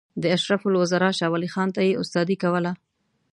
د اشرف الوزرا شاولي خان ته یې استادي کوله.